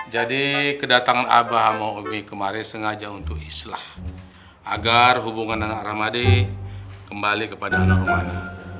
jadi kedatangan abah sama umi kemarin sengaja untuk islah agar hubungan anak rahmadi kembali kepada anak rumani